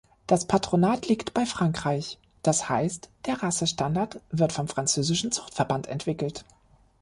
Das Patronat liegt bei Frankreich, das heißt, der Rassestandard wird vom französischen Zuchtverband entwickelt.